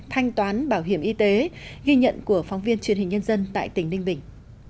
thanh toán bảo hiểm y tế ghi nhận của phóng viên truyền hình nhân dân tại tỉnh ninh bình